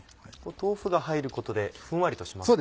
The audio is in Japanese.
豆腐が入ることでふんわりとしますか？